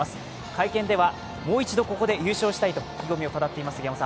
会見では、もう一度ここで優勝したいと意気込みを語っています。